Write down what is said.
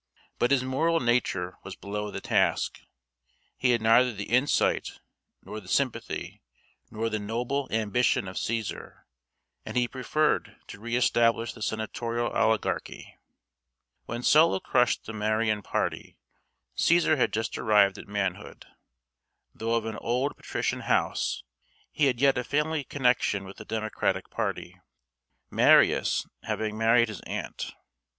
But his moral nature was below the task. He had neither the insight, nor the sympathy, nor the noble ambition of Cæsar, and he preferred to re establish the senatorial oligarchy. [Illustration: Marius on the ruins of Carthage.] When Sulla crushed the Marian party Cæsar had just arrived at manhood. Though of an old patrician house, he had yet a family connection with the democratic party, Marius having married his aunt.